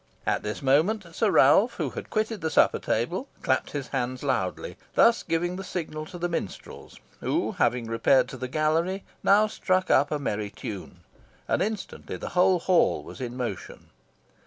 At this moment Sir Ralph, who had quitted the supper table, clapped his hands loudly, thus giving the signal to the minstrels, who, having repaired to the gallery, now struck up a merry tune, and instantly the whole hall was in motion.